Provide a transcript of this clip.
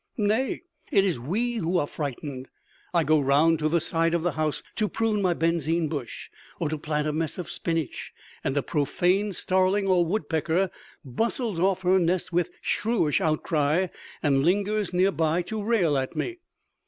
Nay, it is we who are frightened. I go round to the side of the house to prune my benzine bushes or to plant a mess of spinach and a profane starling or woodpecker bustles off her nest with shrewish outcry and lingers nearby to rail at me.